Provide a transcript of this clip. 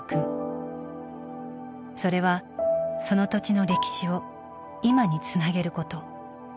それはその土地の歴史を今につなげること。